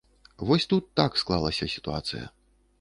Вось тут так склалася сітуацыя.